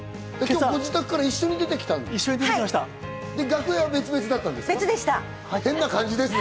ご自宅から一緒に出てきたんですよね。